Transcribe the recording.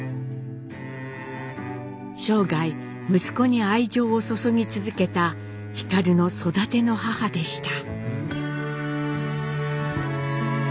生涯息子に愛情を注ぎ続けた皓の育ての母でした。